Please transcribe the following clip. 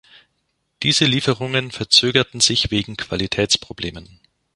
Diese Lieferungen verzögerten sich wegen Qualitätsproblemen.